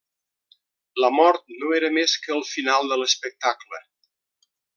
La mort no era més que el final de l'espectacle.